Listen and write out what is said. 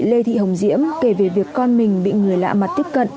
lê thị hồng diễm kể về việc con mình bị người lạ mặt tiếp cận